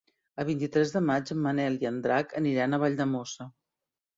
El vint-i-tres de maig en Manel i en Drac aniran a Valldemossa.